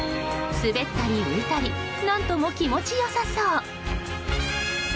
滑ったり浮いたり何とも気持ち良さそう。